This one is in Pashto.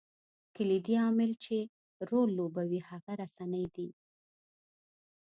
کلیدي عامل چې رول لوبوي هغه رسنۍ دي.